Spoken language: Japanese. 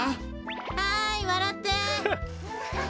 はいわらって！